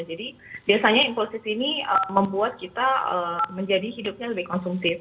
jadi biasanya impulsif ini membuat kita menjadi hidupnya lebih konsumtif